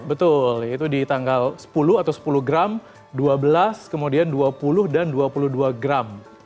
betul itu di tanggal sepuluh atau sepuluh gram dua belas kemudian dua puluh dan dua puluh dua gram